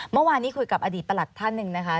เมื่อวานนี้คุยกับอดีตประหลัดท่านหนึ่งนะคะ